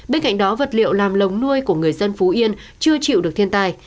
bên cạnh đó vật liệu làm lồng nuôi của người dân phú yên chưa chịu được thiên tài